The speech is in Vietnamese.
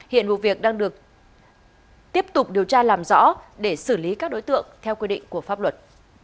hiện vụ việc đang được tiếp tục điều tra làm rõ để xử lý các đối tượng theo quy định của pháp luật